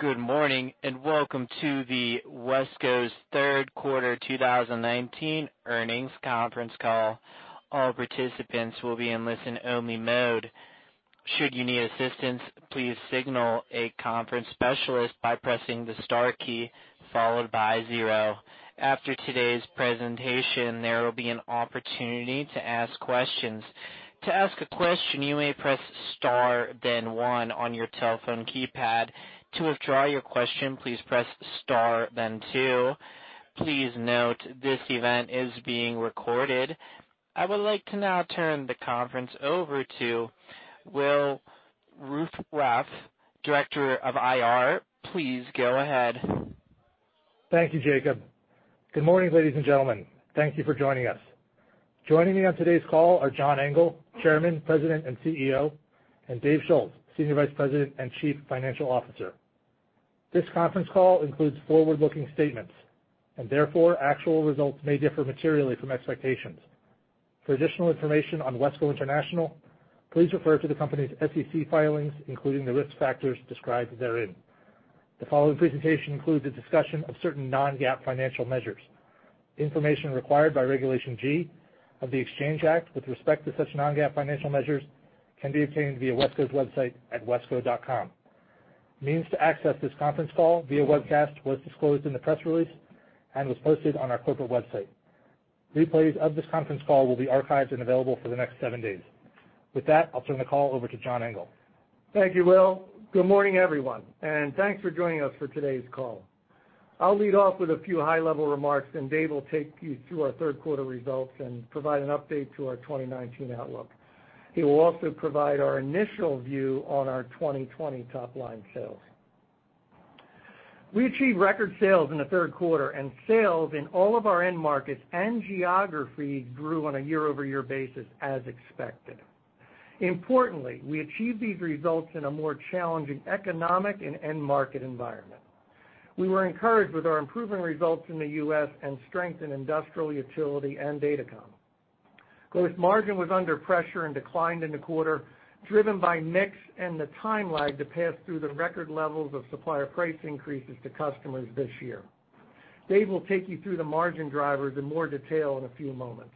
Good morning, and welcome to the WESCO's third quarter 2019 earnings conference call. All participants will be in listen-only mode. Should you need assistance, please signal a conference specialist by pressing the star key, followed by zero. After today's presentation, there will be an opportunity to ask questions. To ask a question, you may press star, then one on your telephone keypad. To withdraw your question, please press star, then two. Please note, this event is being recorded. I would like to now turn the conference over to Will Ruthrauff, Director of IR. Please go ahead. Thank you, Jacob. Good morning, ladies and gentlemen. Thank you for joining us. Joining me on today's call are John Engel, Chairman, President, and CEO, and Dave Schulz, Senior Vice President and Chief Financial Officer. This conference call includes forward-looking statements, and therefore, actual results may differ materially from expectations. For additional information on WESCO International, please refer to the company's SEC filings, including the risk factors described therein. The following presentation includes a discussion of certain non-GAAP financial measures. Information required by Regulation G of the Exchange Act with respect to such non-GAAP financial measures can be obtained via WESCO's website at wesco.com. Means to access this conference call via webcast was disclosed in the press release and was posted on our corporate website. Replays of this conference call will be archived and available for the next seven days. With that, I'll turn the call over to John Engel. Thank you, Will. Good morning, everyone, and thanks for joining us for today's call. I'll lead off with a few high-level remarks, then Dave will take you through our third quarter results and provide an update to our 2019 outlook. He will also provide our initial view on our 2020 top-line sales. We achieved record sales in the third quarter, and sales in all of our end markets and geography grew on a year-over-year basis as expected. Importantly, we achieved these results in a more challenging economic and end market environment. We were encouraged with our improving results in the U.S. and strength in industrial, utility, and datacom. Gross margin was under pressure and declined in the quarter, driven by mix and the time lag to pass through the record levels of supplier price increases to customers this year. Dave will take you through the margin drivers in more detail in a few moments.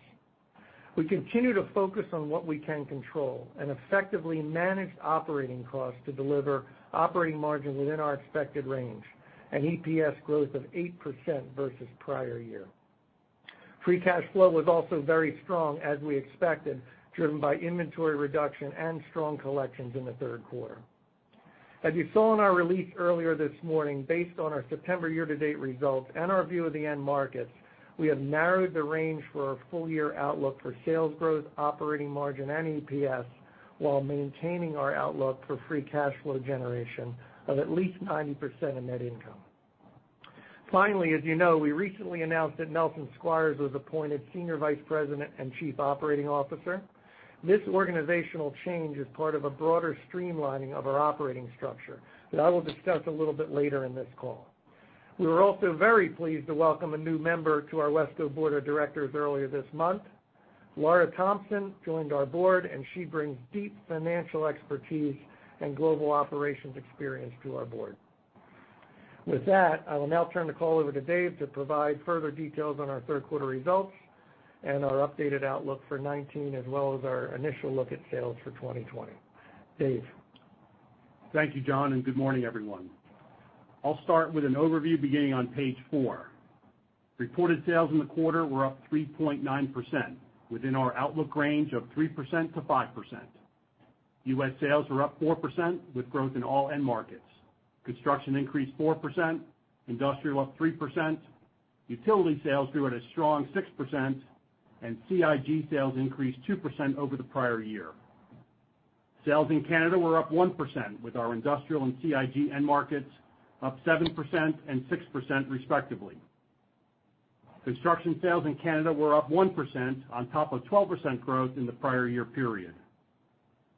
We continue to focus on what we can control and effectively manage operating costs to deliver operating margin within our expected range, an EPS growth of 8% versus prior year. Free cash flow was also very strong as we expected, driven by inventory reduction and strong collections in the third quarter. As you saw in our release earlier this morning, based on our September year-to-date results and our view of the end markets, we have narrowed the range for our full-year outlook for sales growth, operating margin, and EPS while maintaining our outlook for free cash flow generation of at least 90% of net income. Finally, as you know, we recently announced that Nelson Squires was appointed Senior Vice President and Chief Operating Officer. This organizational change is part of a broader streamlining of our operating structure that I will discuss a little bit later in this call. We were also very pleased to welcome a new member to our WESCO Board of Directors earlier this month. Laura Thompson joined our board, and she brings deep financial expertise and global operations experience to our board. With that, I will now turn the call over to Dave to provide further details on our third quarter results and our updated outlook for 2019, as well as our initial look at sales for 2020. Dave? Thank you, John. Good morning, everyone. I'll start with an overview beginning on page four. Reported sales in the quarter were up 3.9%, within our outlook range of 3%-5%. U.S. sales were up 4% with growth in all end markets. Construction increased 4%, industrial up 3%, utility sales grew at a strong 6%, and CIG sales increased 2% over the prior year. Sales in Canada were up 1% with our industrial and CIG end markets up 7% and 6% respectively. Construction sales in Canada were up 1% on top of 12% growth in the prior year period.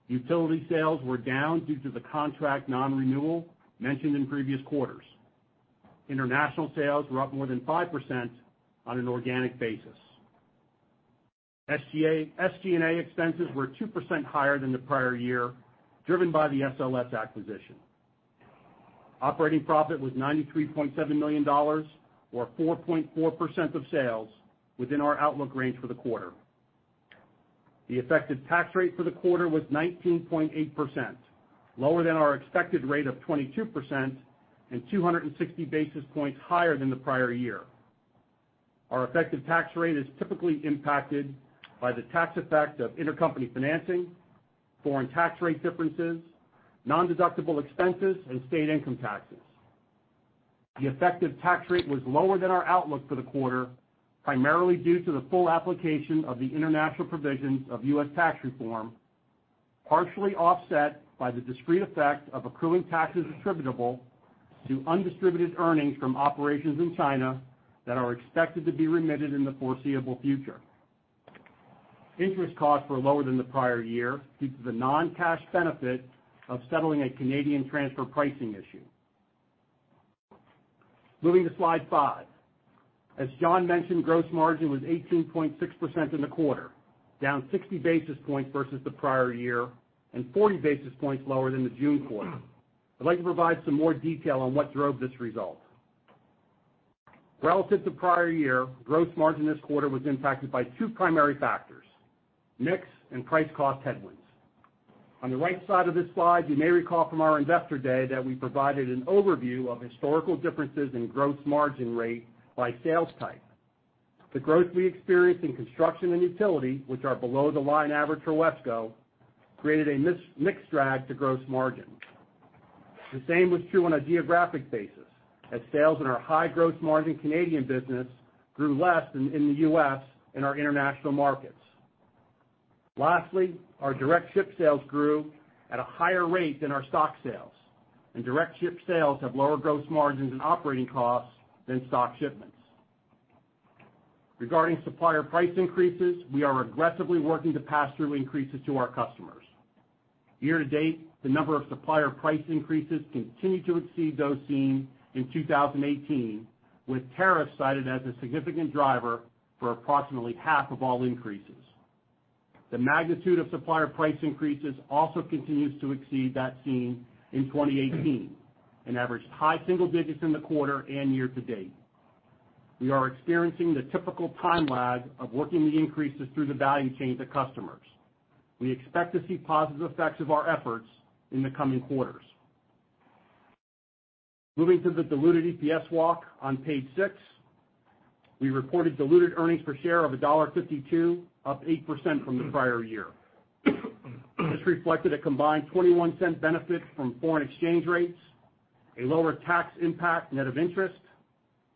Utility sales were down due to the contract non-renewal mentioned in previous quarters. International sales were up more than 5% on an organic basis. SG&A expenses were 2% higher than the prior year, driven by the SLS acquisition. Operating profit was $93.7 million, or 4.4% of sales within our outlook range for the quarter. The effective tax rate for the quarter was 19.8%, lower than our expected rate of 22% and 260 basis points higher than the prior year. Our effective tax rate is typically impacted by the tax effect of intercompany financing, foreign tax rate differences, nondeductible expenses, and state income taxes. The effective tax rate was lower than our outlook for the quarter, primarily due to the full application of the international provisions of U.S. tax reform, partially offset by the discrete effect of accruing taxes attributable to undistributed earnings from operations in China that are expected to be remitted in the foreseeable future. Interest costs were lower than the prior year due to the non-cash benefit of settling a Canadian transfer pricing issue. Moving to slide five. As John mentioned, gross margin was 18.6% in the quarter, down 60 basis points versus the prior year, 40 basis points lower than the June quarter. I'd like to provide some more detail on what drove this result. Relative to prior year, gross margin this quarter was impacted by two primary factors, mix and price cost headwinds. On the right side of this slide, you may recall from our Investor Day that we provided an overview of historical differences in gross margin rate by sales type. The growth we experienced in construction and utility, which are below the line average for WESCO, created a mix drag to gross margin. The same was true on a geographic basis, as sales in our high-gross margin Canadian business grew less than in the U.S. and our international markets. Lastly, our direct ship sales grew at a higher rate than our stock sales, and direct ship sales have lower gross margins and operating costs than stock shipments. Regarding supplier price increases, we are aggressively working to pass through increases to our customers. Year to date, the number of supplier price increases continue to exceed those seen in 2018, with tariffs cited as a significant driver for approximately half of all increases. The magnitude of supplier price increases also continues to exceed that seen in 2018 and averaged high single digits in the quarter and year to date. We are experiencing the typical time lag of working the increases through the value chain to customers. We expect to see positive effects of our efforts in the coming quarters. Moving to the diluted EPS walk on page six. We reported diluted earnings per share of $1.52, up 8% from the prior year. This reflected a combined $0.21 benefit from foreign exchange rates, a lower tax impact net of interest,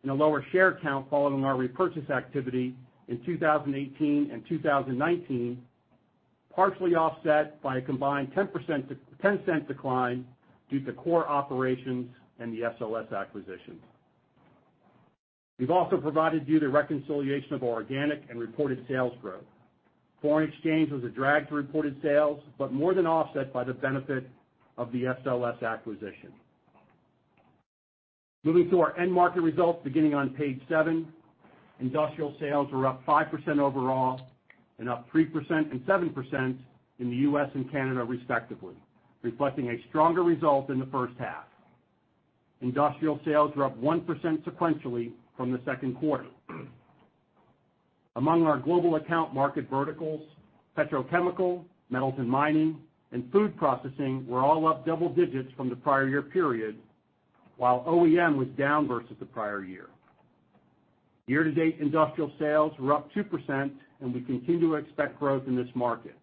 and a lower share count following our repurchase activity in 2018 and 2019, partially offset by a combined $0.10 decline due to core operations and the SLS acquisition. We've also provided you the reconciliation of organic and reported sales growth. Foreign exchange was a drag to reported sales, but more than offset by the benefit of the SLS acquisition. Moving to our end market results, beginning on page seven. Industrial sales were up 5% overall and up 3% and 7% in the U.S. and Canada respectively, reflecting a stronger result than the first half. Industrial sales were up 1% sequentially from the second quarter. Among our global account market verticals, petrochemical, metals and mining, and food processing were all up double digits from the prior year period, while OEM was down versus the prior year. Year to date, industrial sales were up 2%, and we continue to expect growth in this market.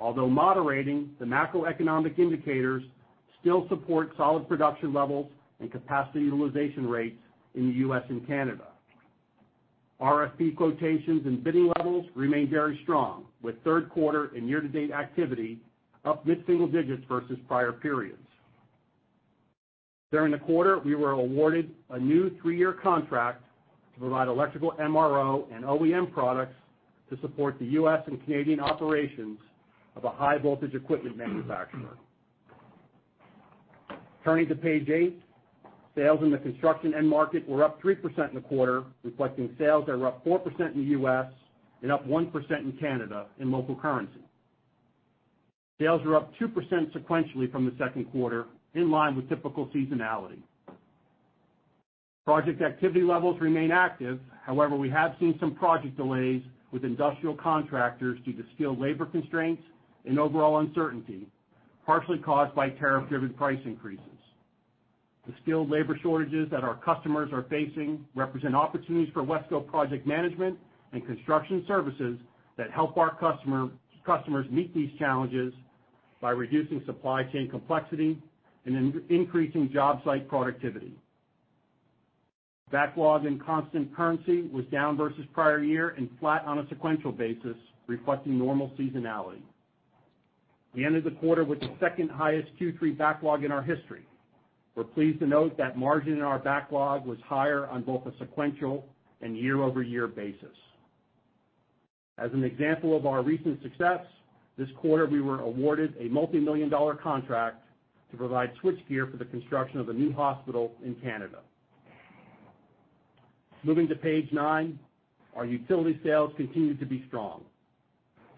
Although moderating, the macroeconomic indicators still support solid production levels and capacity utilization rates in the U.S. and Canada. RFP quotations and bidding levels remain very strong, with third quarter and year-to-date activity up mid-single digits versus prior periods. During the quarter, we were awarded a new 3-year contract to provide electrical MRO and OEM products to support the U.S. and Canadian operations of a high-voltage equipment manufacturer. Turning to page eight. Sales in the construction end market were up 3% in the quarter, reflecting sales that were up 4% in the U.S. and up 1% in Canada in local currency. Sales were up 2% sequentially from the second quarter, in line with typical seasonality. Project activity levels remain active. However, we have seen some project delays with industrial contractors due to skilled labor constraints and overall uncertainty, partially caused by tariff-driven price increases. The skilled labor shortages that our customers are facing represent opportunities for WESCO project management and construction services that help our customers meet these challenges by reducing supply chain complexity and increasing job site productivity. Backlog and constant currency was down versus prior year and flat on a sequential basis, reflecting normal seasonality. We ended the quarter with the second highest Q3 backlog in our history. We're pleased to note that margin in our backlog was higher on both a sequential and year-over-year basis. As an example of our recent success, this quarter, we were awarded a multimillion-dollar contract to provide switchgear for the construction of a new hospital in Canada. Moving to page nine. Our utility sales continued to be strong.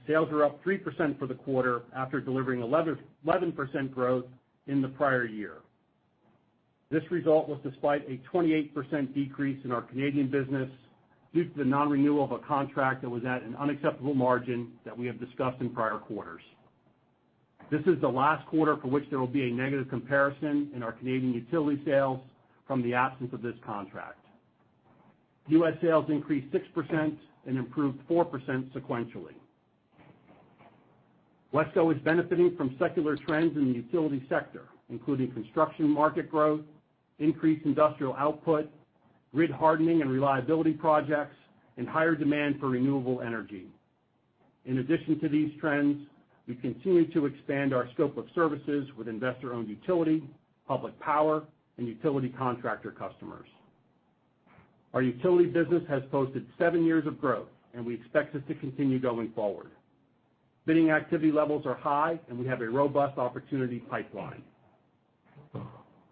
Sales were up 3% for the quarter after delivering 11% growth in the prior year. This result was despite a 28% decrease in our Canadian business due to the non-renewal of a contract that was at an unacceptable margin that we have discussed in prior quarters. This is the last quarter for which there will be a negative comparison in our Canadian utility sales from the absence of this contract. U.S. sales increased 6% and improved 4% sequentially. WESCO is benefiting from secular trends in the utility sector, including construction market growth, increased industrial output, grid hardening and reliability projects, and higher demand for renewable energy. In addition to these trends, we continue to expand our scope of services with investor-owned utility, public power, and utility contractor customers. Our utility business has posted seven years of growth, and we expect this to continue going forward. Bidding activity levels are high, and we have a robust opportunity pipeline.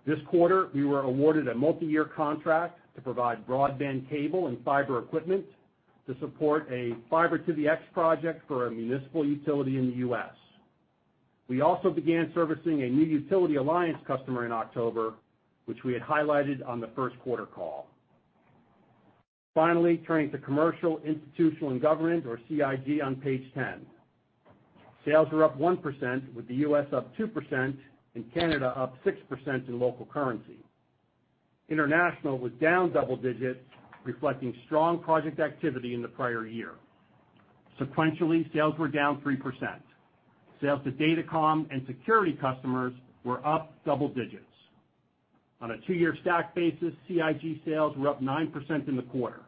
This quarter, we were awarded a multi-year contract to provide broadband cable and fiber equipment to support a Fiber to the x project for a municipal utility in the U.S. We also began servicing a new utility alliance customer in October, which we had highlighted on the first quarter call. Finally, turning to commercial, institutional, and government, or CIG, on page 10. Sales were up 1%, with the U.S. up 2% and Canada up 6% in local currency. International was down double digits, reflecting strong project activity in the prior year. Sequentially, sales were down 3%. Sales to datacom and security customers were up double digits. On a two-year stack basis, CIG sales were up 9% in the quarter.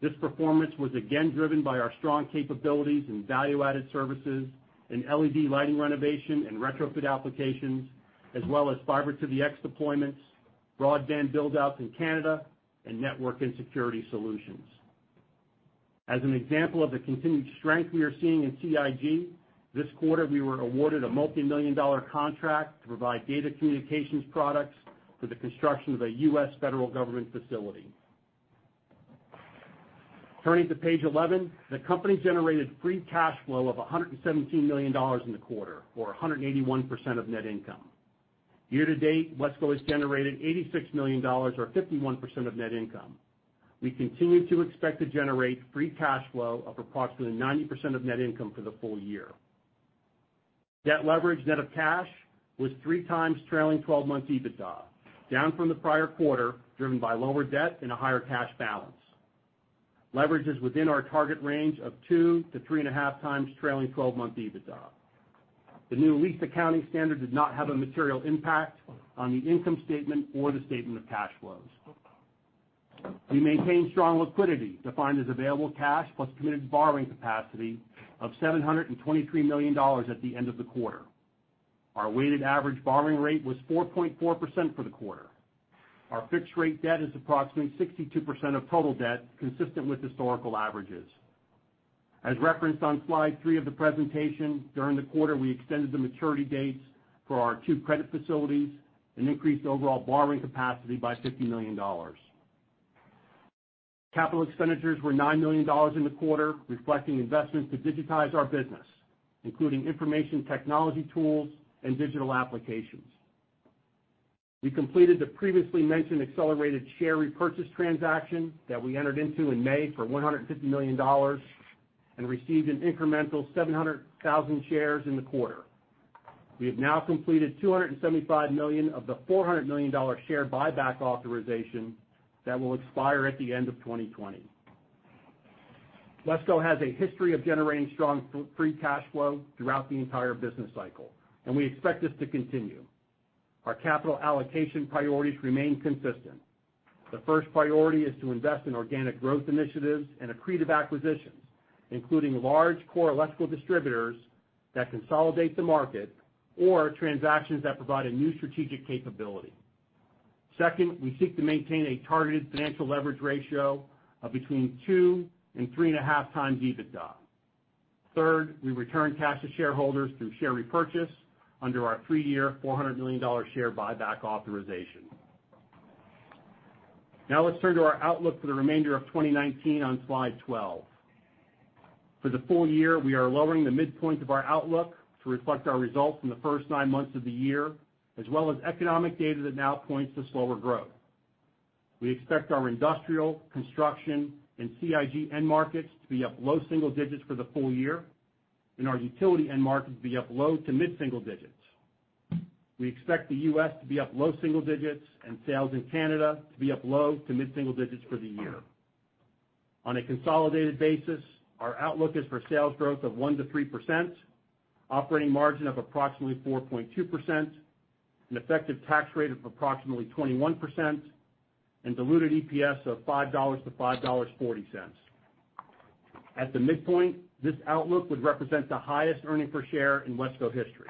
This performance was again driven by our strong capabilities in value-added services and LED lighting renovation and retrofit applications, as well as Fiber to the X deployments, broadband build-outs in Canada, and network and security solutions. As an example of the continued strength we are seeing in CIG, this quarter, we were awarded a multi-million dollar contract to provide data communications products for the construction of a U.S. federal government facility. Turning to page 11, the company generated free cash flow of $117 million in the quarter, or 181% of net income. Year to date, WESCO has generated $86 million, or 51% of net income. We continue to expect to generate free cash flow of approximately 90% of net income for the full year. Debt leverage net of cash was three times trailing 12 months EBITDA, down from the prior quarter, driven by lower debt and a higher cash balance. Leverage is within our target range of two to three and a half times trailing 12-month EBITDA. The new lease accounting standard did not have a material impact on the income statement or the statement of cash flows. We maintained strong liquidity, defined as available cash plus committed borrowing capacity of $723 million at the end of the quarter. Our weighted average borrowing rate was 4.4% for the quarter. Our fixed-rate debt is approximately 62% of total debt, consistent with historical averages. As referenced on slide three of the presentation, during the quarter, we extended the maturity dates for our two credit facilities and increased overall borrowing capacity by $50 million. Capital expenditures were $9 million in the quarter, reflecting investments to digitize our business, including information technology tools and digital applications. We completed the previously mentioned accelerated share repurchase transaction that we entered into in May for $150 million and received an incremental 700,000 shares in the quarter. We have now completed $275 million of the $400 million share buyback authorization that will expire at the end of 2020. WESCO has a history of generating strong free cash flow throughout the entire business cycle. We expect this to continue. Our capital allocation priorities remain consistent. The first priority is to invest in organic growth initiatives and accretive acquisitions, including large core electrical distributors that consolidate the market or transactions that provide a new strategic capability. Second, we seek to maintain a targeted financial leverage ratio of between two and three and a half times EBITDA. We return cash to shareholders through share repurchase under our three-year, $400 million share buyback authorization. Let's turn to our outlook for the remainder of 2019 on slide 12. For the full year, we are lowering the midpoint of our outlook to reflect our results in the first nine months of the year, as well as economic data that now points to slower growth. We expect our industrial, construction, and CIG end markets to be up low single digits for the full year and our utility end markets to be up low to mid single digits. We expect the U.S. to be up low single digits and sales in Canada to be up low to mid single digits for the year. On a consolidated basis, our outlook is for sales growth of 1%-3%, operating margin of approximately 4.2%, an effective tax rate of approximately 21%, and diluted EPS of $5-$5.40. At the midpoint, this outlook would represent the highest earning per share in WESCO history.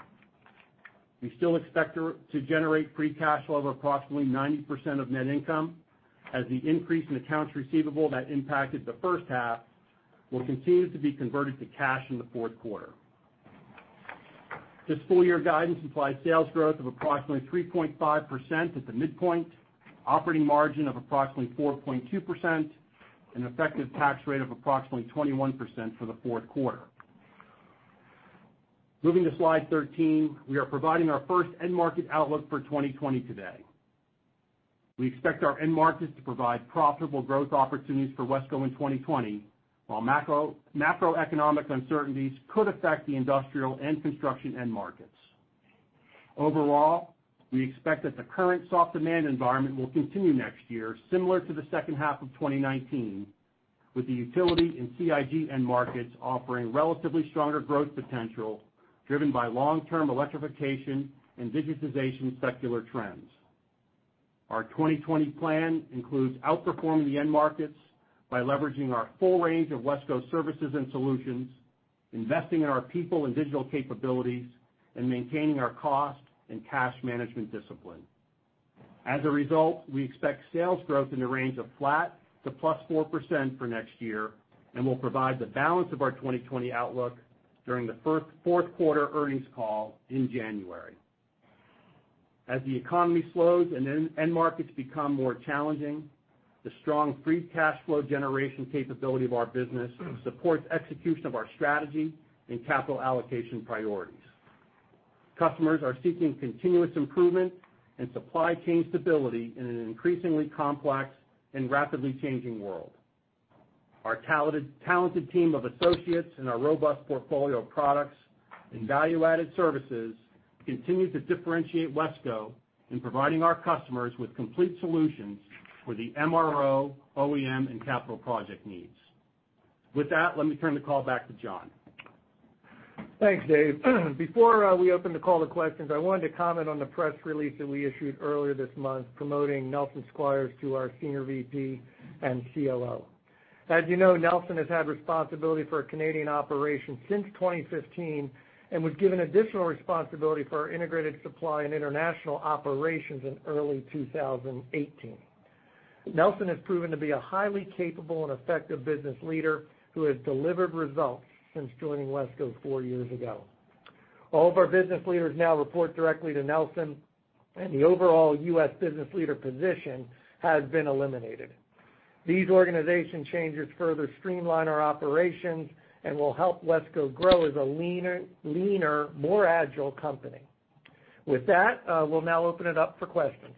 We still expect to generate free cash flow of approximately 90% of net income as the increase in accounts receivable that impacted the first half will continue to be converted to cash in the fourth quarter. This full year guidance implies sales growth of approximately 3.5% at the midpoint, operating margin of approximately 4.2%, and effective tax rate of approximately 21% for the fourth quarter. Moving to slide 13, we are providing our first end market outlook for 2020 today. We expect our end markets to provide profitable growth opportunities for WESCO in 2020, while macroeconomic uncertainties could affect the industrial and construction end markets. Overall, we expect that the current soft demand environment will continue next year, similar to the second half of 2019, with the utility and CIG end markets offering relatively stronger growth potential, driven by long-term electrification and digitization secular trends. Our 2020 plan includes outperforming the end markets by leveraging our full range of WESCO services and solutions, investing in our people and digital capabilities, and maintaining our cost and cash management discipline. As a result, we expect sales growth in the range of flat to +4% for next year, and we'll provide the balance of our 2020 outlook during the fourth-quarter earnings call in January. As the economy slows and end markets become more challenging, the strong free cash flow generation capability of our business supports execution of our strategy and capital allocation priorities. Customers are seeking continuous improvement and supply chain stability in an increasingly complex and rapidly changing world. Our talented team of associates and our robust portfolio of products and value-added services continue to differentiate WESCO in providing our customers with complete solutions for the MRO, OEM, and capital project needs. With that, let me turn the call back to John. Thanks, Dave. Before we open the call to questions, I wanted to comment on the press release that we issued earlier this month promoting Nelson Squires to our Senior VP and COO. As you know, Nelson has had responsibility for our Canadian operations since 2015 and was given additional responsibility for our integrated supply and international operations in early 2018. Nelson has proven to be a highly capable and effective business leader who has delivered results since joining WESCO four years ago. All of our business leaders now report directly to Nelson, and the overall U.S. business leader position has been eliminated. These organization changes further streamline our operations and will help WESCO grow as a leaner, more agile company. With that, we'll now open it up for questions.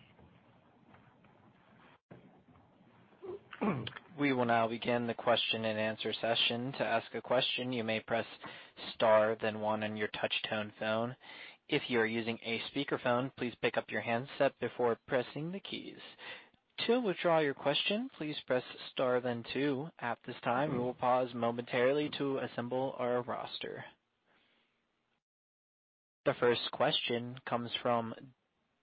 We will now begin the question-and-answer session. To ask a question, you may press star then 1 on your touch-tone phone. If you are using a speakerphone, please pick up your handset before pressing the keys. To withdraw your question, please press star then 2. At this time, we will pause momentarily to assemble our roster. The first question comes from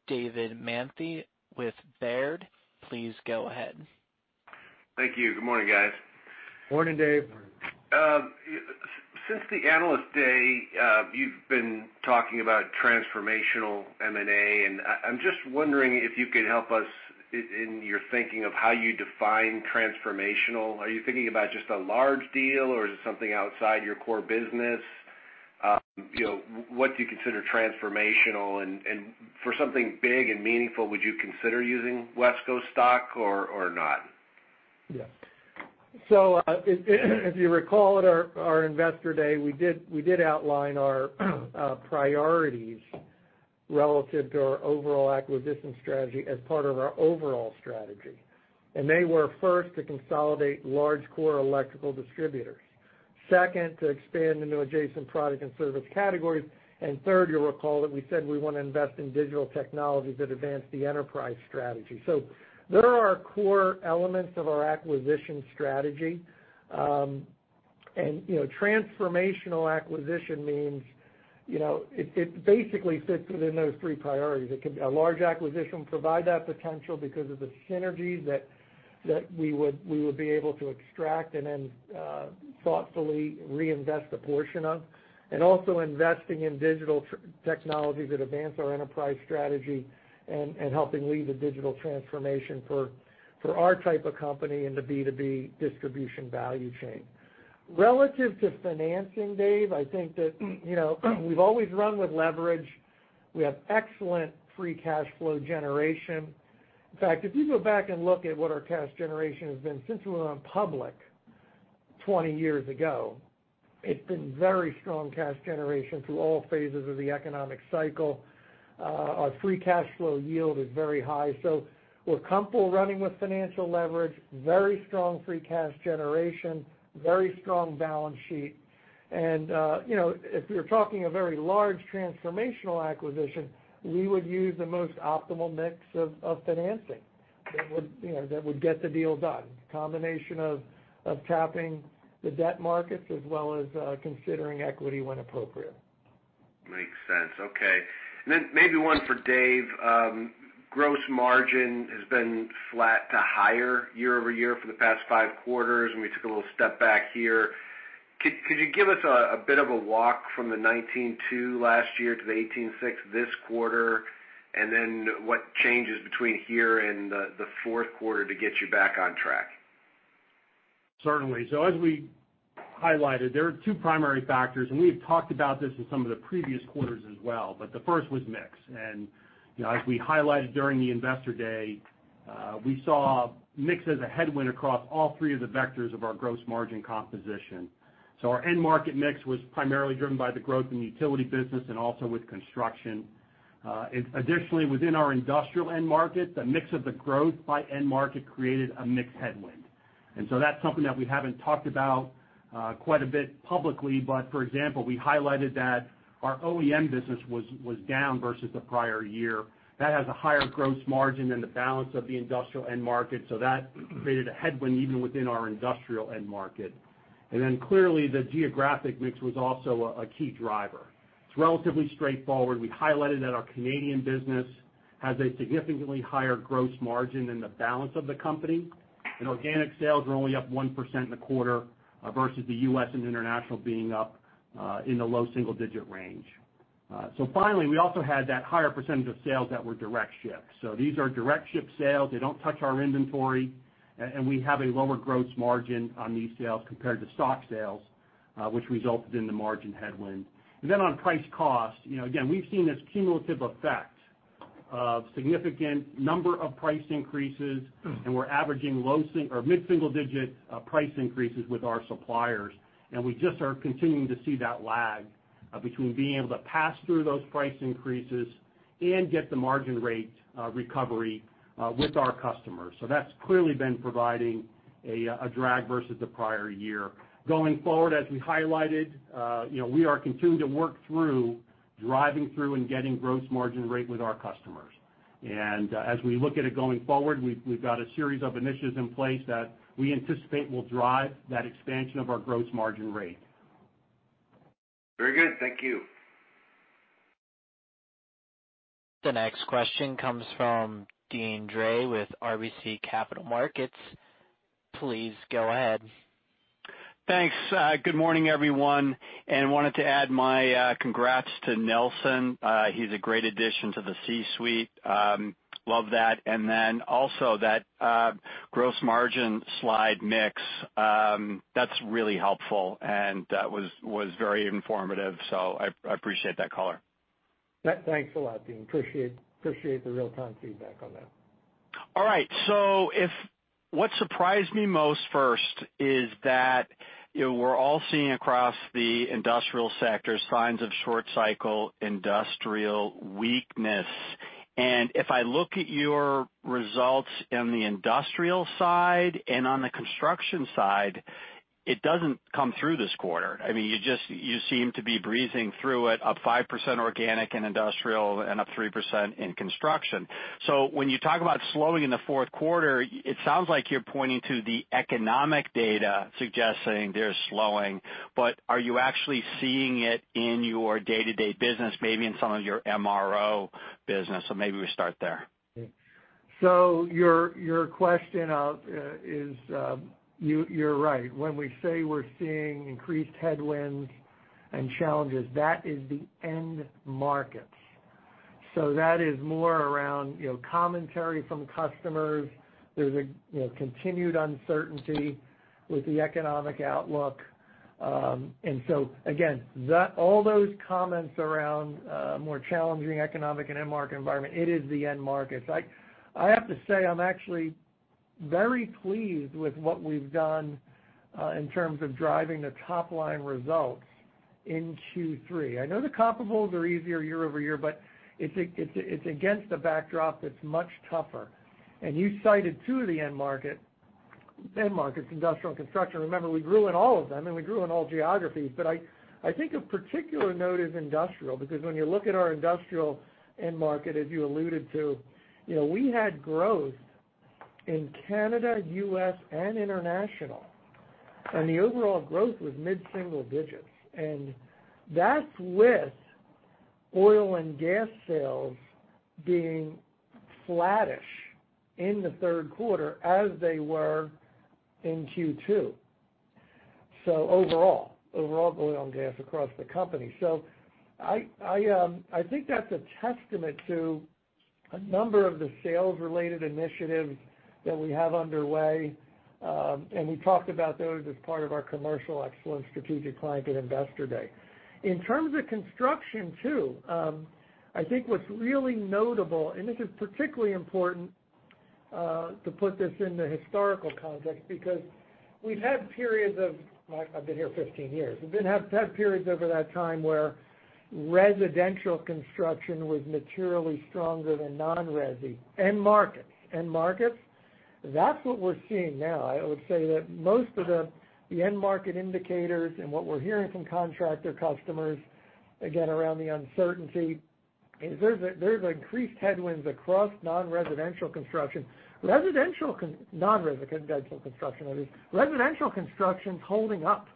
David Manthey with Baird. Please go ahead. Thank you. Good morning, guys. Morning, Dave. Morning. Since the Analyst Day, you've been talking about transformational M&A. I'm just wondering if you could help us in your thinking of how you define transformational. Are you thinking about just a large deal, or is it something outside your core business? What do you consider transformational? For something big and meaningful, would you consider using WESCO stock or not? Yeah. If you recall at our Investor Day, we did outline our priorities relative to our overall acquisition strategy as part of our overall strategy. They were, first, to consolidate large core electrical distributors. Second, to expand into adjacent product and service categories. Third, you'll recall that we said we want to invest in digital technologies that advance the enterprise strategy. They're our core elements of our acquisition strategy. Transformational acquisition means it basically sits within those three priorities. A large acquisition will provide that potential because of the synergies that we would be able to extract and then thoughtfully reinvest a portion of, and also investing in digital technologies that advance our enterprise strategy and helping lead the digital transformation for our type of company in the B2B distribution value chain. Relative to financing, Dave, I think that, we've always run with leverage. We have excellent free cash flow generation. In fact, if you go back and look at what our cash generation has been since we went public 20 years ago, it's been very strong cash generation through all phases of the economic cycle. Our free cash flow yield is very high. We're comfortable running with financial leverage, very strong free cash generation, very strong balance sheet, and if we were talking a very large transformational acquisition, we would use the most optimal mix of financing that would get the deal done, combination of tapping the debt markets as well as considering equity when appropriate. Makes sense. Okay. Maybe one for Dave. Gross margin has been flat to higher year-over-year for the past five quarters. We took a little step back here. Could you give us a bit of a walk from the 19.2% last year to the 18.6% this quarter? What changes between here and the fourth quarter to get you back on track? Certainly. As we highlighted, there are two primary factors, and we've talked about this in some of the previous quarters as well, but the first was mix. As we highlighted during the Investor Day, we saw mix as a headwind across all three of the vectors of our gross margin composition. Our end market mix was primarily driven by the growth in the utility business and also with construction. Additionally, within our industrial end market, the mix of the growth by end market created a mix headwind. That's something that we haven't talked about quite a bit publicly, but for example, we highlighted that our OEM business was down versus the prior year. That has a higher gross margin than the balance of the industrial end market, so that created a headwind even within our industrial end market. Clearly, the geographic mix was also a key driver. It's relatively straightforward. We highlighted that our Canadian business has a significantly higher gross margin than the balance of the company, and organic sales were only up 1% in the quarter versus the U.S. and international being up in the low single-digit range. Finally, we also had that higher percentage of sales that were direct ships. These are direct ship sales. They don't touch our inventory, and we have a lower gross margin on these sales compared to stock sales, which resulted in the margin headwind. On price cost, again, we've seen this cumulative effect of significant number of price increases, and we're averaging low or mid-single-digit price increases with our suppliers. We just are continuing to see that lag between being able to pass through those price increases and get the margin rate recovery with our customers. That's clearly been providing a drag versus the prior year. Going forward, as we highlighted, we are continuing to work through driving through and getting gross margin rate with our customers. As we look at it going forward, we've got a series of initiatives in place that we anticipate will drive that expansion of our gross margin rate. Very good. Thank you. The next question comes from Deane Dray with RBC Capital Markets. Please go ahead. Thanks. Good morning, everyone. Wanted to add my congrats to Nelson. He's a great addition to the C-suite. Love that. Also that gross margin slide mix, that's really helpful, and that was very informative. I appreciate that color. Thanks a lot, Deane. Appreciate the real-time feedback on that. All right. What surprised me most first is that we're all seeing across the industrial sector signs of short cycle industrial weakness. If I look at your results in the industrial side and on the construction side, it doesn't come through this quarter. You seem to be breezing through it, up 5% organic in industrial and up 3% in construction. When you talk about slowing in the fourth quarter, it sounds like you're pointing to the economic data suggesting they're slowing, but are you actually seeing it in your day-to-day business, maybe in some of your MRO business? Maybe we start there. Your question of. You're right. When we say we're seeing increased headwinds and challenges, that is the end markets. That is more around commentary from customers. There's a continued uncertainty with the economic outlook. Again, all those comments around more challenging economic and end market environment, it is the end markets. I have to say, I'm actually very pleased with what we've done in terms of driving the top-line results in Q3. I know the comparables are easier year-over-year, but it's against a backdrop that's much tougher. You cited two of the end markets, industrial and construction. Remember, we grew in all of them, and we grew in all geographies. I think of particular note is industrial, because when you look at our industrial end market, as you alluded to, we had growth in Canada, U.S., and international. The overall growth was mid-single digits, and that's with oil and gas sales being flattish in the third quarter as they were in Q2. Overall oil and gas across the company. I think that's a testament to a number of the sales-related initiatives that we have underway, and we talked about those as part of our Commercial Excellence Strategic Client and Investor Day. I think what's really notable, and this is particularly important to put this into historical context. I've been here 15 years. We've had periods over that time where residential construction was materially stronger than non-resi end markets. That's what we're seeing now. I would say that most of the end market indicators and what we're hearing from contractor customers, again, around the uncertainty, there's increased headwinds across non-residential construction. Residential construction's holding up.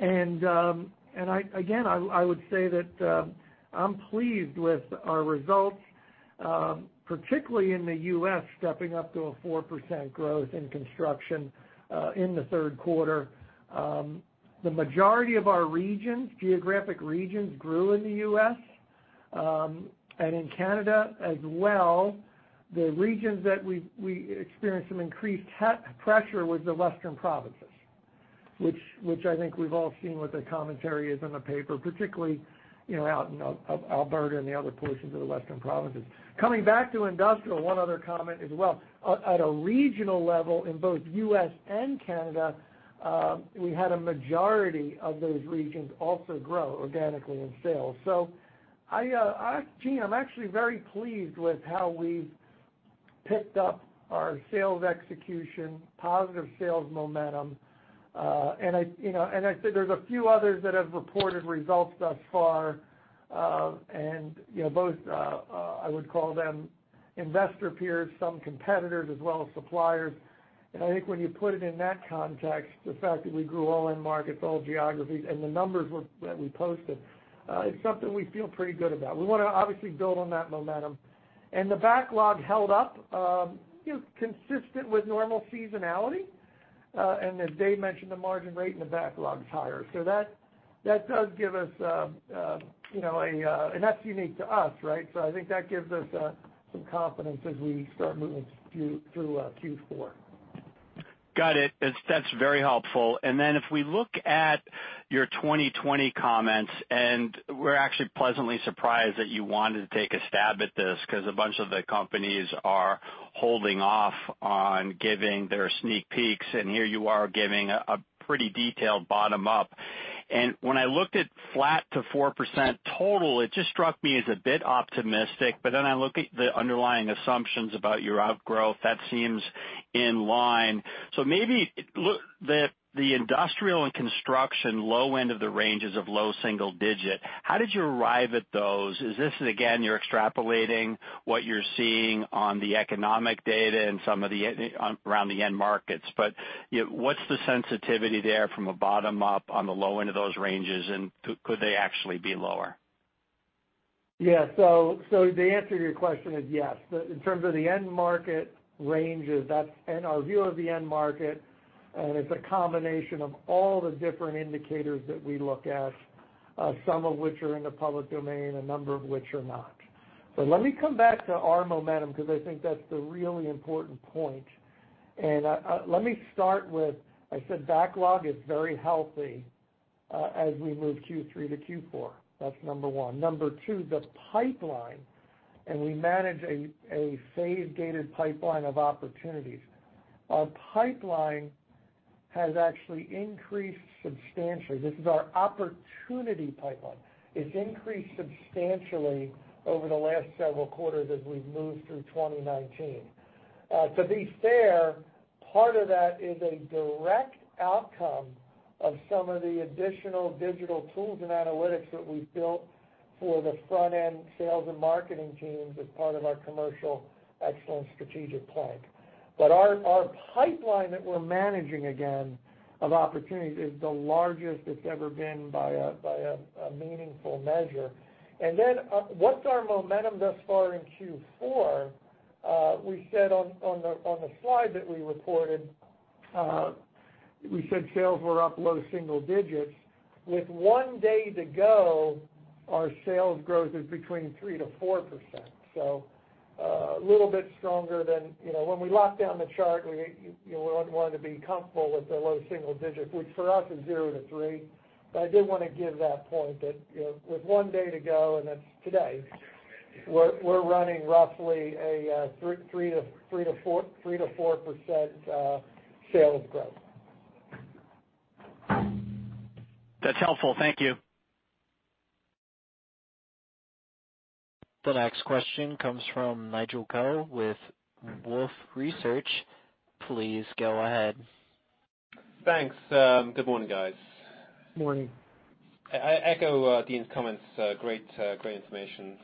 Again, I would say that I'm pleased with our results, particularly in the U.S., stepping up to a 4% growth in construction in the third quarter. The majority of our geographic regions grew in the U.S. In Canada as well, the regions that we experienced some increased pressure was the western provinces, which I think we've all seen what the commentary is in the paper, particularly out in Alberta and the other portions of the western provinces. Coming back to industrial, one other comment as well. At a regional level in both U.S. and Canada, we had a majority of those regions also grow organically in sales. Deane, I'm actually very pleased with how we've picked up our sales execution, positive sales momentum. I'd say there's a few others that have reported results thus far, and both, I would call them investor peers, some competitors, as well as suppliers. I think when you put it in that context, the fact that we grew all end markets, all geographies, and the numbers that we posted, it's something we feel pretty good about. We want to obviously build on that momentum. The backlog held up, consistent with normal seasonality. As Dave mentioned, the margin rate in the backlog is higher. That does give us, and that's unique to us, right? I think that gives us some confidence as we start moving through Q4. Got it. That's very helpful. Then if we look at your 2020 comments, we're actually pleasantly surprised that you wanted to take a stab at this because a bunch of the companies are holding off on giving their sneak peeks, and here you are giving a pretty detailed bottom up. When I looked at flat to 4% total, it just struck me as a bit optimistic. I look at the underlying assumptions about your outgrowth, that seems in line. Maybe, the industrial and construction low end of the range is of low single digit. How did you arrive at those? Is this, again, you're extrapolating what you're seeing on the economic data and some of around the end markets. What's the sensitivity there from a bottom up on the low end of those ranges, and could they actually be lower? Yeah. The answer to your question is yes. In terms of the end market ranges, and our view of the end market, and it's a combination of all the different indicators that we look at, some of which are in the public domain, a number of which are not. Let me come back to our momentum, because I think that's the really important point. Let me start with, I said backlog is very healthy as we move Q3 to Q4. That's number one. Number two, the pipeline, and we manage a phase-gated pipeline of opportunities. Our pipeline has actually increased substantially. This is our opportunity pipeline. It's increased substantially over the last several quarters as we've moved through 2019. To be fair, part of that is a direct outcome of some of the additional digital tools and analytics that we've built for the front-end sales and marketing teams as part of our Commercial Excellence strategic plank. Our pipeline that we're managing again of opportunities is the largest it's ever been by a meaningful measure. What's our momentum thus far in Q4? We said on the slide that we reported, we said sales were up low single digits. With one day to go, our sales growth is between 3% to 4%. A little bit stronger. When we locked down the chart, we wanted to be comfortable with the low single digit, which for us is zero to three. I did want to give that point, that with one day to go, and that's today, we're running roughly a 3% to 4% sales growth. That's helpful. Thank you. The next question comes from Nigel Coe with Wolfe Research. Please go ahead. Thanks. Good morning, guys. Morning. I echo Deane's comments. Great information.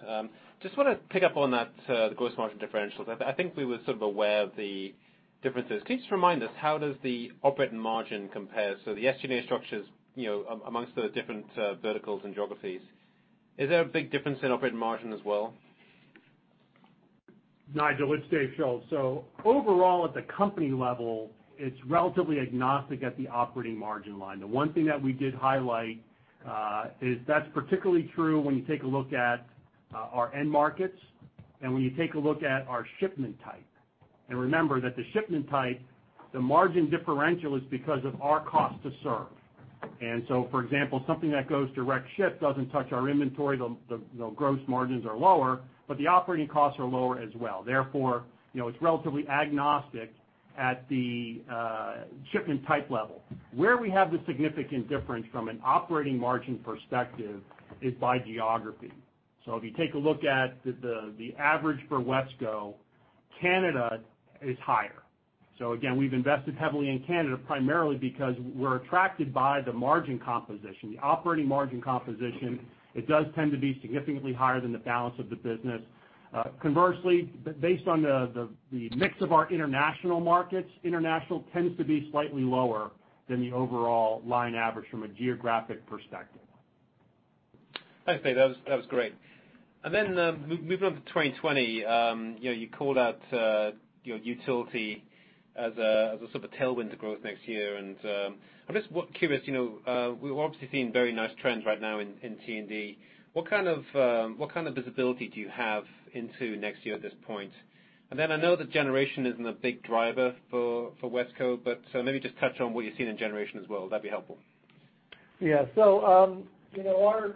Just want to pick up on that gross margin differentials. I think we were sort of aware of the differences. Can you just remind us, how does the operating margin compare? The SG&A structure amongst the different verticals and geographies. Is there a big difference in operating margin as well? Nigel, it's Dave Schulz. Overall at the company level, it's relatively agnostic at the operating margin line. The one thing that we did highlight is that's particularly true when you take a look at our end markets and when you take a look at our shipment type. Remember that the shipment type, the margin differential is because of our cost to serve. For example, something that goes direct ship doesn't touch our inventory, the gross margins are lower, but the operating costs are lower as well. Therefore, it's relatively agnostic at the shipment type level. Where we have the significant difference from an operating margin perspective is by geography. If you take a look at the average for WESCO, Canada is higher. Again, we've invested heavily in Canada primarily because we're attracted by the margin composition. The operating margin composition, it does tend to be significantly higher than the balance of the business. Conversely, based on the mix of our international markets, international tends to be slightly lower than the overall line average from a geographic perspective. Thanks, Dave. That was great. Moving on to 2020, you called out utility as a sort of a tailwind to growth next year. I'm just curious. We're obviously seeing very nice trends right now in T&D. What kind of visibility do you have into next year at this point? I know that generation isn't a big driver for WESCO. Maybe just touch on what you're seeing in generation as well. That'd be helpful.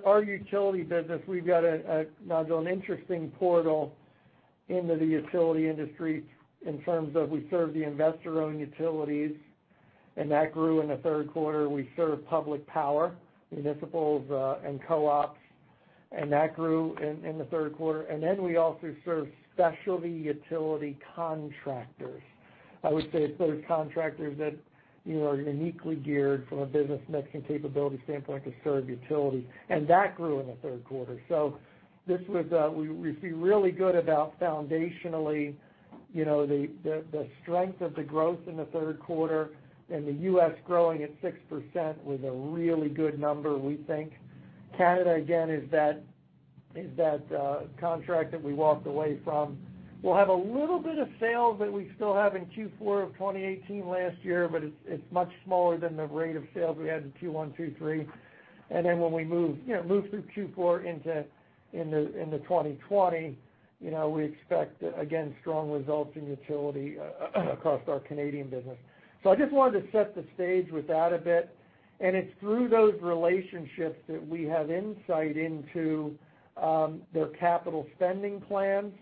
Our utility business, we've got, Nigel, an interesting portal into the utility industry in terms of we serve the investor-owned utilities, that grew in the third quarter. We serve public power, municipals, and co-ops, that grew in the third quarter. We also serve specialty utility contractors. I would say it's those contractors that are uniquely geared from a business mix and capability standpoint to serve utilities. That grew in the third quarter. We feel really good about foundationally. The strength of the growth in the third quarter and the U.S. growing at 6% was a really good number, we think. Canada, again, is that contract that we walked away from. We'll have a little bit of sales that we still have in Q4 of 2018 last year, it's much smaller than the rate of sales we had in Q1, Q3. When we move through Q4 into 2020, we expect, again, strong results in utility across our Canadian business. I just wanted to set the stage with that a bit. It's through those relationships that we have insight into their capital spending plans.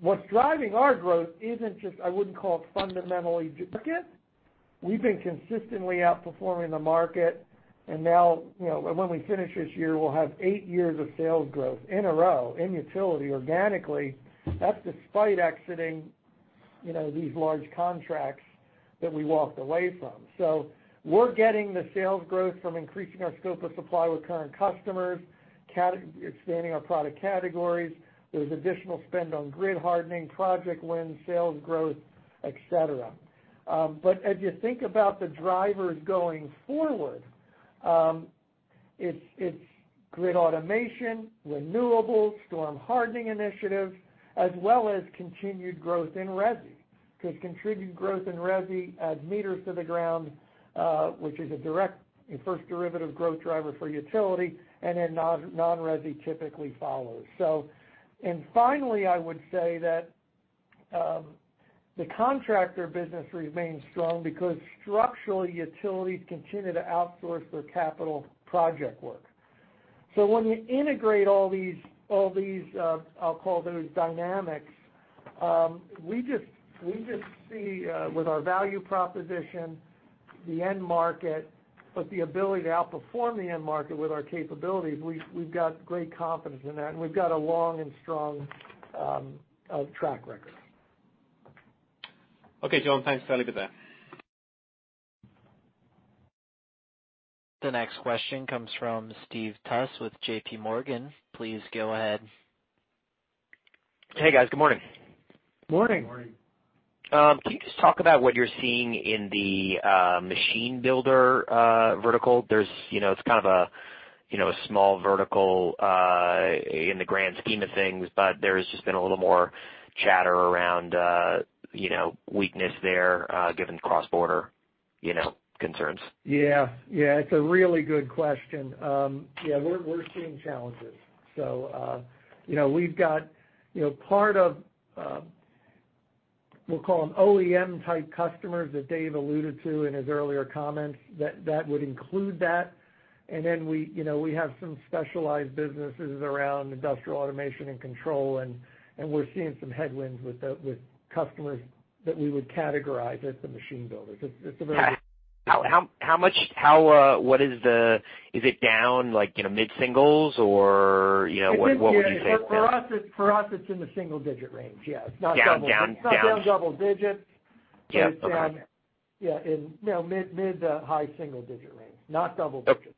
What's driving our growth isn't just, I wouldn't call it fundamentally different. We've been consistently outperforming the market. Now, when we finish this year, we'll have eight years of sales growth in a row in utility organically. That's despite exiting these large contracts that we walked away from. We're getting the sales growth from increasing our scope of supply with current customers, expanding our product categories. There's additional spend on grid hardening, project win, sales growth, et cetera. As you think about the drivers going forward, it's grid automation, renewables, storm hardening initiatives, as well as continued growth in resi. Because continued growth in resi adds meters to the ground, which is a first derivative growth driver for utility, and then non-resi typically follows. Finally, I would say that the contractor business remains strong because structurally, utilities continue to outsource their capital project work. When you integrate all these, I'll call those dynamics, we just see with our value proposition, the end market, with the ability to outperform the end market with our capabilities, we've got great confidence in that, and we've got a long and strong track record. Okay, John, thanks a lot for that. The next question comes from Steve Tusa with JP Morgan. Please go ahead. Hey, guys. Good morning. Morning. Morning. Can you just talk about what you're seeing in the machine builder vertical? It's kind of a small vertical in the grand scheme of things, but there's just been a little more chatter around weakness there given cross-border concerns. Yeah. It's a really good question. We're seeing challenges. We've got part of, we'll call them OEM-type customers that Dave alluded to in his earlier comments, that would include that. Then we have some specialized businesses around industrial automation and control, and we're seeing some headwinds with customers that we would categorize as the machine builders. Is it down mid-singles or what would you say? For us, it's in the single-digit range. Yeah. It's not double digits. Down. It's not down double digits. Yeah. Okay. It's down mid to high single-digit range. Not double digits.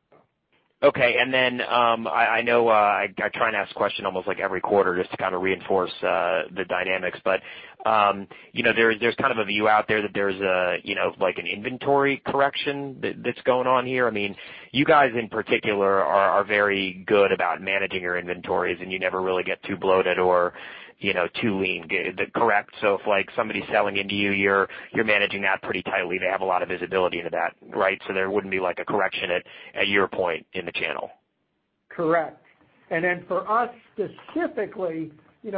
Okay. I know I try and ask a question almost every quarter just to kind of reinforce the dynamics. There's kind of a view out there that there's an inventory correction that's going on here. You guys in particular are very good about managing your inventories, and you never really get too bloated or too lean. Correct? If somebody's selling into you're managing that pretty tightly. They have a lot of visibility into that, right? There wouldn't be a correction at your point in the channel. Correct. Then for us specifically, we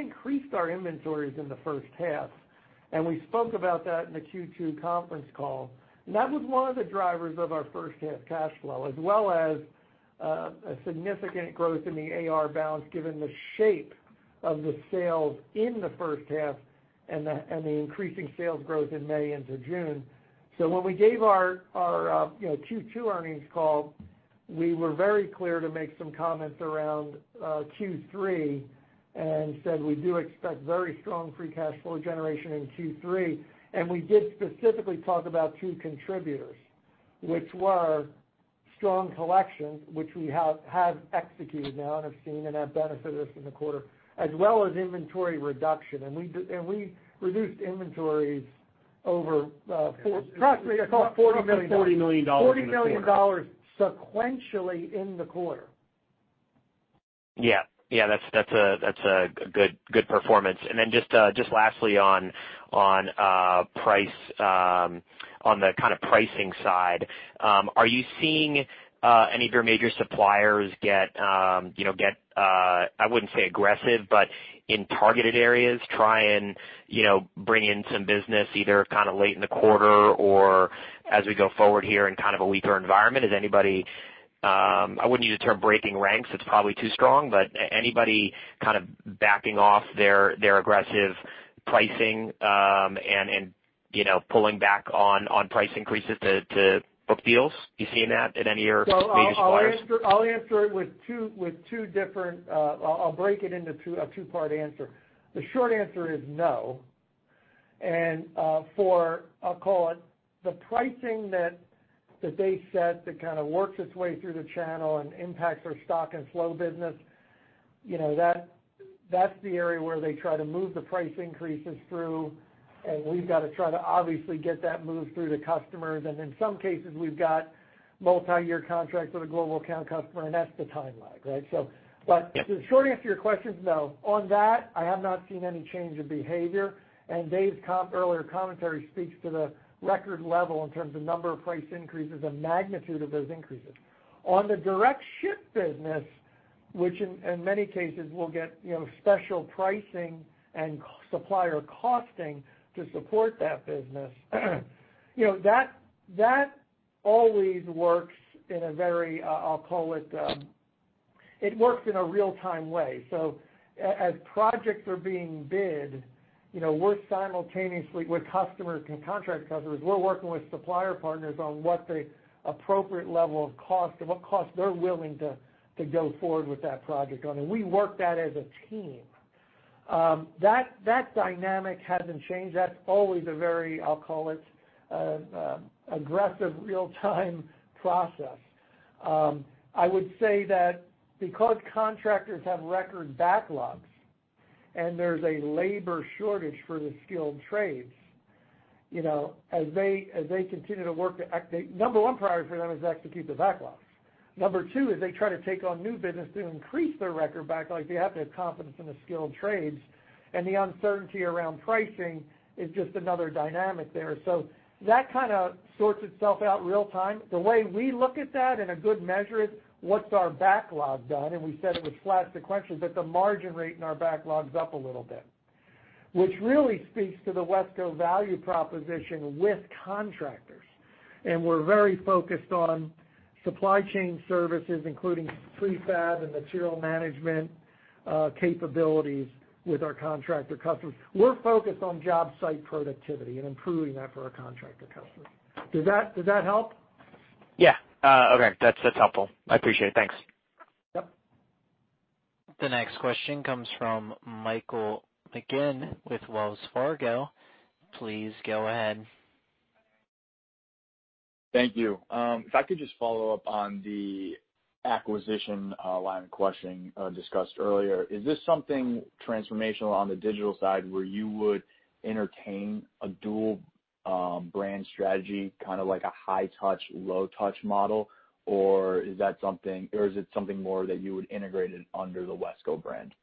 increased our inventories in the first half, and we spoke about that in the Q2 conference call. That was one of the drivers of our first-half cash flow, as well as a significant growth in the AR balance given the shape of the sales in the first half and the increasing sales growth in May into June. When we gave our Q2 earnings call, we were very clear to make some comments around Q3 and said we do expect very strong free cash flow generation in Q3. We did specifically talk about two contributors, which were strong collections, which we have executed now and have seen and have benefited us in the quarter, as well as inventory reduction. We reduced inventories over approximately, I call it $40 million. $40 million in the quarter. $40 million sequentially in the quarter. Yeah. That's a good performance. Just lastly on the kind of pricing side, are you seeing any of your major suppliers get, I wouldn't say aggressive, but in targeted areas, try and bring in some business either kind of late in the quarter or as we go forward here in kind of a weaker environment? Is anybody, I wouldn't use the term breaking ranks, that's probably too strong, but anybody kind of backing off their aggressive pricing and pulling back on price increases to book deals? You seeing that in any of your major suppliers? I'll break it into a two-part answer. The short answer is no. For, I'll call it, the pricing that Dave set that kind of works its way through the channel and impacts our stock and flow business, that's the area where they try to move the price increases through, and we've got to try to obviously get that moved through to customers. In some cases, we've got multi-year contracts with a global account customer, and that's the time lag, right? The short answer to your question is no. On that, I have not seen any change in behavior, and Dave's earlier commentary speaks to the record level in terms of number of price increases and magnitude of those increases. On the direct ship business, which in many cases will get special pricing and supplier costing to support that business, that always works in a very, I'll call it works in a real-time way. As projects are being bid, we're simultaneously with customers and contract customers, we're working with supplier partners on what the appropriate level of cost and what cost they're willing to go forward with that project on, and we work that as a team. That dynamic hasn't changed. That's always a very, I'll call it, aggressive real-time process. I would say that because contractors have record backlogs and there's a labor shortage for the skilled trades, as they continue to work. The number one priority for them is to execute the backlogs. Number two is they try to take on new business to increase their record backlogs. They have to have confidence in the skilled trades, and the uncertainty around pricing is just another dynamic there. That kind of sorts itself out real time. The way we look at that and a good measure is what's our backlog done, and we said it was flat sequentially, but the margin rate in our backlog's up a little bit, which really speaks to the WESCO value proposition with contractors, and we're very focused on supply chain services, including prefab and material management capabilities with our contractor customers. We're focused on job site productivity and improving that for our contractor customers. Does that help? Yeah. Okay. That's helpful. I appreciate it. Thanks. Yep. The next question comes from Michael McGinn with Wells Fargo. Please go ahead. Thank you. If I could just follow up on the acquisition line of questioning discussed earlier. Is this something transformational on the digital side where you would entertain a dual brand strategy, kind of like a high touch, low touch model, or is it something more that you would integrate it under the WESCO brand?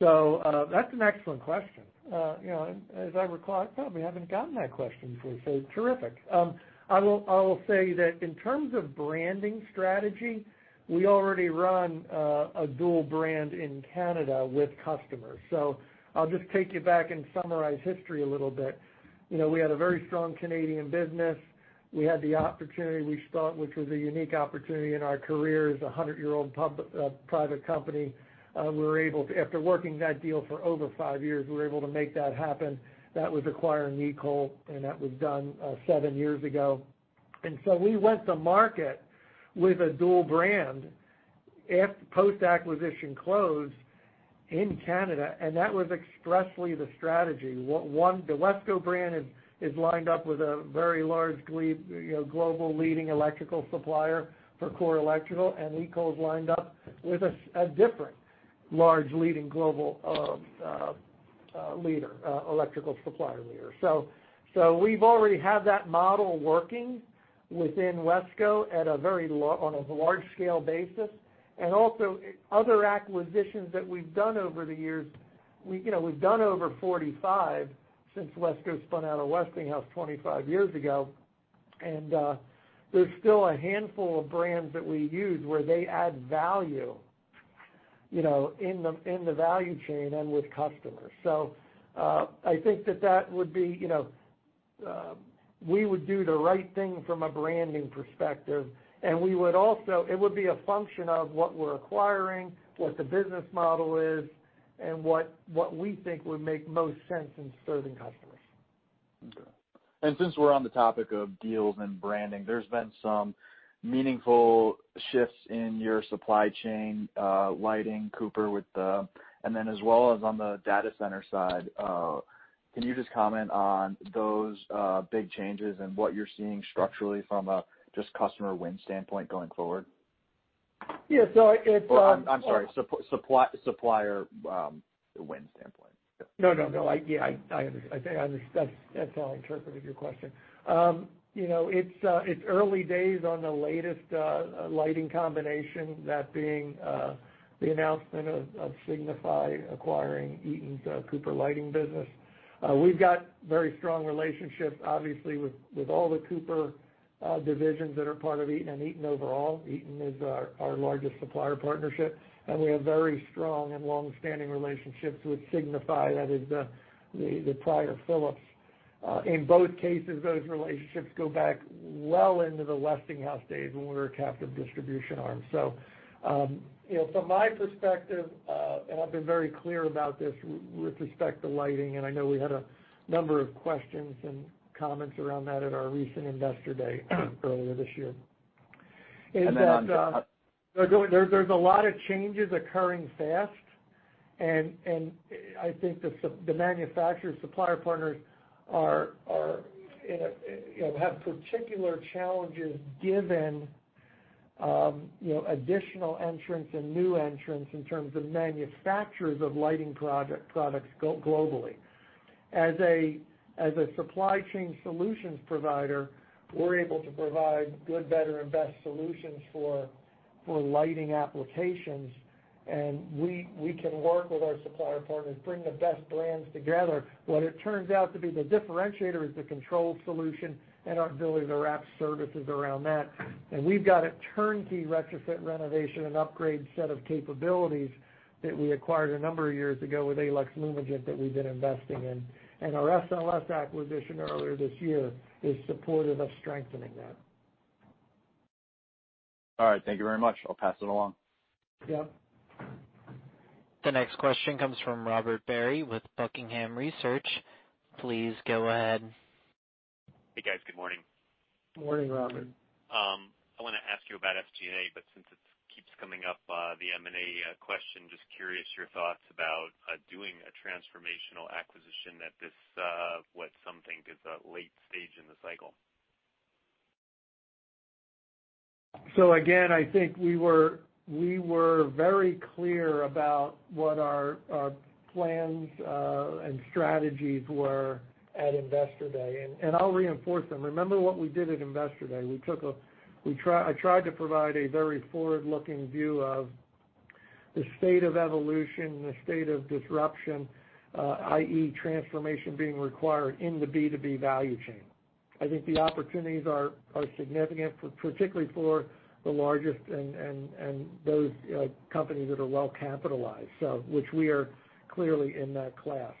That's an excellent question. As I recall, I probably haven't gotten that question before, so terrific. I will say that in terms of branding strategy, we already run a dual brand in Canada with customers. I'll just take you back and summarize history a little bit. We had a very strong Canadian business. We had the opportunity, we thought, which was a unique opportunity in our career as a 100-year-old private company. After working that deal for over five years, we were able to make that happen. That was acquiring EECOL. That was done seven years ago. We went to market with a dual brand post-acquisition close in Canada. That was expressly the strategy. The WESCO brand is lined up with a very large global leading electrical supplier for core electrical, and Nicoll is lined up with a different large leading global electrical supplier leader. We've already had that model working within WESCO on a large scale basis. Also, other acquisitions that we've done over the years, we've done over 45 since WESCO spun out of Westinghouse 25 years ago, and there's still a handful of brands that we use where they add value in the value chain and with customers. I think that we would do the right thing from a branding perspective. It would be a function of what we're acquiring, what the business model is, and what we think would make most sense in serving customers. Okay. Since we're on the topic of deals and branding, there's been some meaningful shifts in your supply chain, lighting, Cooper and then as well as on the data center side. Can you just comment on those big changes and what you're seeing structurally from a just customer win standpoint going forward? Yeah. I'm sorry, supplier win standpoint. No, yeah, I understand. That's how I interpreted your question. It's early days on the latest lighting combination, that being the announcement of Signify acquiring Eaton's Cooper Lighting business. We've got very strong relationships, obviously, with all the Cooper divisions that are part of Eaton and Eaton overall. Eaton is our largest supplier partnership, and we have very strong and longstanding relationships with Signify, that is the prior Philips. In both cases, those relationships go back well into the Westinghouse days when we were a captive distribution arm. From my perspective, and I've been very clear about this with respect to lighting, and I know we had a number of questions and comments around that at our recent Investor Day earlier this year. And then on the- There's a lot of changes occurring fast, I think the manufacturer supplier partners have particular challenges given additional entrants and new entrants in terms of manufacturers of lighting products globally. As a supply chain solutions provider, we're able to provide good, better, and best solutions for lighting applications, we can work with our supplier partners, bring the best brands together. What it turns out to be the differentiator is the control solution and our ability to wrap services around that. We've got a turnkey retrofit renovation and upgrade set of capabilities that we acquired a number of years ago with [Elex Lumagent] that we've been investing in. Our SLS acquisition earlier this year is supportive of strengthening that. All right. Thank you very much. I'll pass it along. Yep. The next question comes from Robert Berry with Buckingham Research. Please go ahead. Hey, guys. Good morning. Good morning, Robert. I want to ask you about SG&A, but since it keeps coming up, the M&A question, just curious your thoughts about doing a transformational acquisition at this, what some think is a late stage in the cycle. again, I think we were very clear about what our plans and strategies were at Investor Day, and I'll reinforce them. Remember what we did at Investor Day. I tried to provide a very forward-looking view of the state of evolution, the state of disruption, i.e., transformation being required in the B2B value chain. I think the opportunities are significant, particularly for the largest and those companies that are well-capitalized, which we are clearly in that class.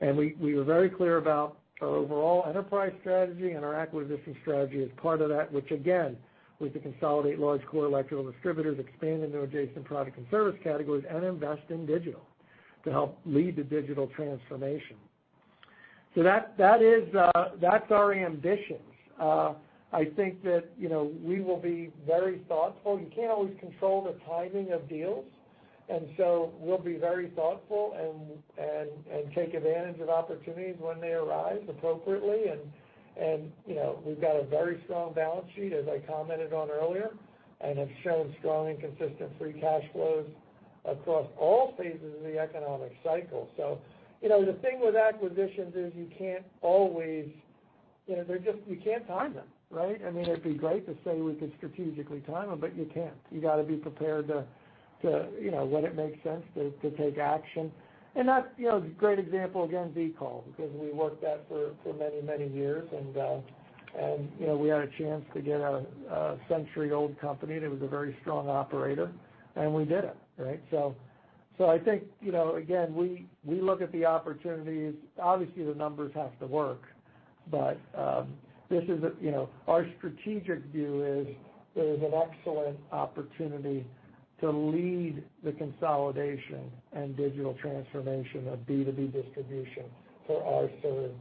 we were very clear about our overall enterprise strategy and our acquisition strategy as part of that, which again, was to consolidate large core electrical distributors, expand into adjacent product and service categories, and invest in digital to help lead the digital transformation. that's our ambitions. I think that we will be very thoughtful. You can't always control the timing of deals, and so we'll be very thoughtful and take advantage of opportunities when they arise appropriately. We've got a very strong balance sheet, as I commented on earlier, and have shown strong and consistent free cash flows across all phases of the economic cycle. The thing with acquisitions is you can't time them, right? It'd be great to say we could strategically time them, but you can't. You got to be prepared to, when it makes sense, to take action. That's a great example, again, EECOL, because we worked that for many years and we had a chance to get a century-old company that was a very strong operator, and we did it. I think, again, we look at the opportunities. Obviously, the numbers have to work. Our strategic view is there is an excellent opportunity to lead the consolidation and digital transformation of B2B distribution for our served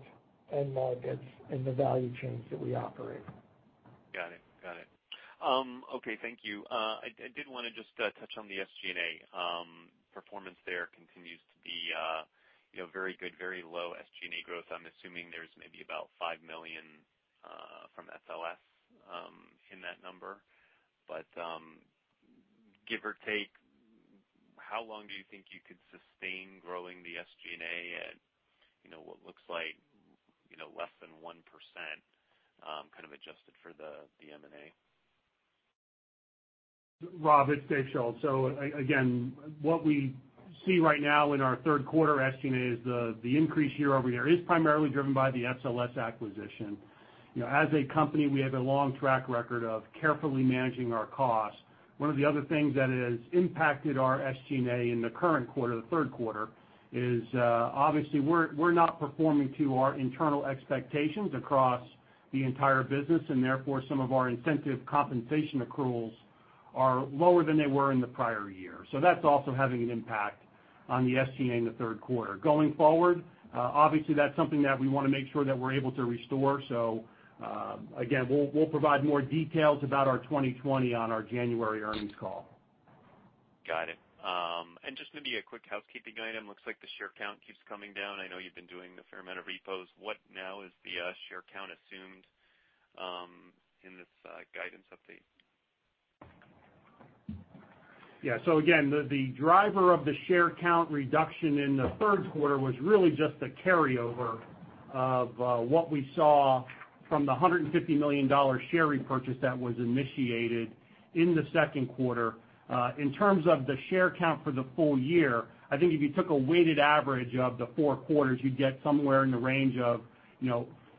end markets in the value chains that we operate. Got it. Okay. Thank you. I did want to just touch on the SG&A performance there continues to be very good, very low SG&A growth. I'm assuming there's maybe about $5 million from SLS in that number. Give or take, how long do you think you could sustain growing the SG&A at what looks like less than 1%, kind of adjusted for the M&A? Rob, it's Dave Schulz. Again, what we see right now in our third quarter SG&A is the increase year over year is primarily driven by the SLS acquisition. As a company, we have a long track record of carefully managing our costs. One of the other things that has impacted our SG&A in the current quarter, the third quarter, is obviously we're not performing to our internal expectations across the entire business, and therefore, some of our incentive compensation accruals are lower than they were in the prior year. That's also having an impact on the SG&A in the third quarter. Going forward, obviously, that's something that we want to make sure that we're able to restore. Again, we'll provide more details about our 2020 on our January earnings call. Got it. Just maybe a quick housekeeping item. Looks like the share count keeps coming down. I know you've been doing a fair amount of repos. What now is the share count assumed in this guidance update? Yeah. Again, the driver of the share count reduction in the third quarter was really just a carryover of what we saw from the $150 million share repurchase that was initiated in the second quarter. In terms of the share count for the full year, I think if you took a weighted average of the four quarters, you'd get somewhere in the range of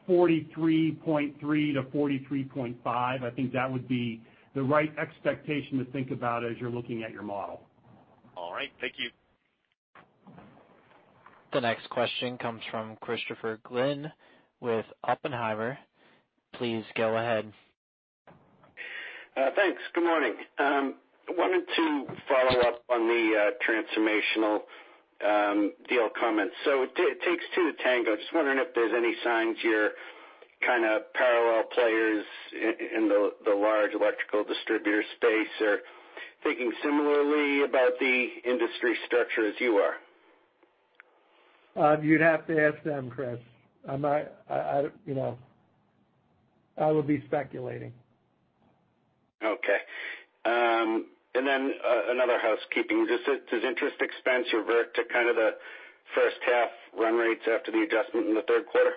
43.3-43.5. I think that would be the right expectation to think about as you're looking at your model. All right. Thank you. The next question comes from Christopher Glynn with Oppenheimer. Please go ahead. Thanks. Good morning. On the transformational deal comments. It takes two to tango. Just wondering if there's any signs your kind of parallel players in the large electrical distributor space are thinking similarly about the industry structure as you are? You'd have to ask them, Chris. I would be speculating. Okay. Another housekeeping. Does interest expense revert to kind of the first half run rates after the adjustment in the third quarter?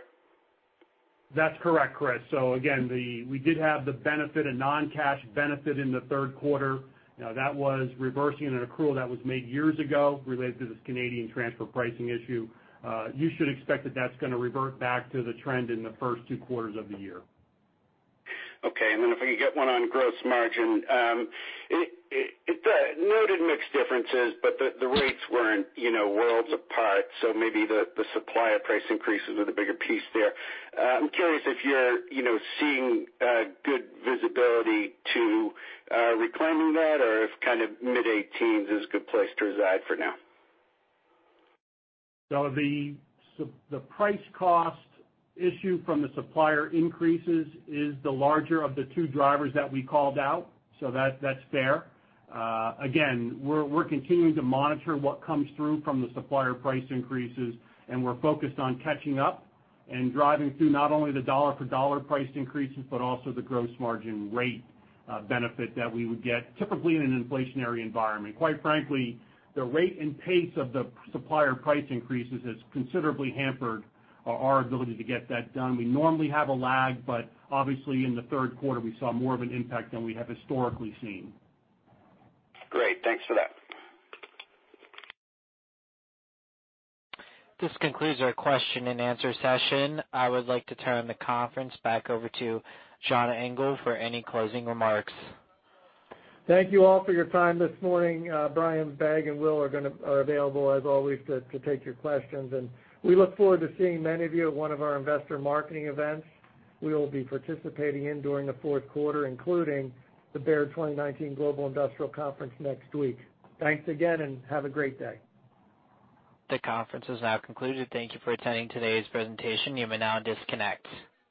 That's correct, Chris. Again, we did have the benefit, a non-cash benefit in the third quarter. That was reversing an accrual that was made years ago related to this Canadian transfer pricing issue. You should expect that's going to revert back to the trend in the first two quarters of the year. Okay, if I could get one on gross margin. Noted mix differences, but the rates weren't worlds apart, so maybe the supplier price increases are the bigger piece there. I'm curious if you're seeing good visibility to reclaiming that or if kind of mid-'18s is a good place to reside for now. The price cost issue from the supplier increases is the larger of the two drivers that we called out, so that's fair. Again, we're continuing to monitor what comes through from the supplier price increases, and we're focused on catching up and driving through not only the dollar for dollar price increases, but also the gross margin rate benefit that we would get typically in an inflationary environment. Quite frankly, the rate and pace of the supplier price increases has considerably hampered our ability to get that done. We normally have a lag, but obviously in the third quarter, we saw more of an impact than we have historically seen. Great. Thanks for that. This concludes our question and answer session. I would like to turn the conference back over to John Engel for any closing remarks. Thank you all for your time this morning. Brian Bagg and Will are available as always to take your questions. We look forward to seeing many of you at one of our investor marketing events we will be participating in during the fourth quarter, including the Baird 2019 Global Industrial Conference next week. Thanks again, and have a great day. The conference is now concluded. Thank you for attending today's presentation. You may now disconnect.